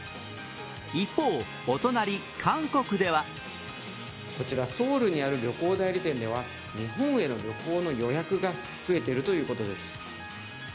一方、お隣韓国ではこちらソウルにある旅行代理店では日本への旅行の予約が増えているということです。